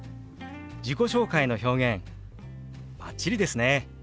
自己紹介の表現バッチリですね！